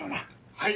はい！